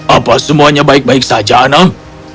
apa semuanya baik baik saja anang